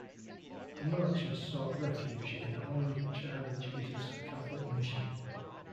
The marchers sought refuge at Holy Child Jesus Catholic mission.